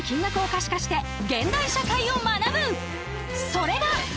それが。